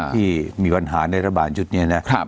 ที่มีปัญหาในรัฐบาลชุดนี้นะ